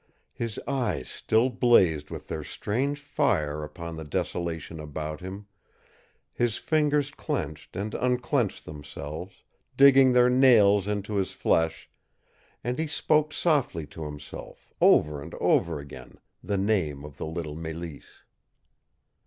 His eyes still blazed with their strange fire upon the desolation about him, his fingers clenched and unclenched themselves, digging their nails into his flesh, and he spoke softly to himself, over and over again, the name of the little Mélisse.